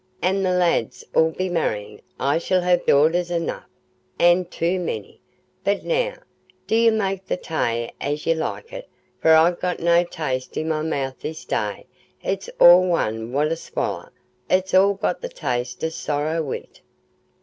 An' the lads 'ull be marryin'—I shall ha' daughters eno', an' too many. But now, do ye make the tay as ye like it, for I'n got no taste i' my mouth this day—it's all one what I swaller—it's all got the taste o' sorrow wi't."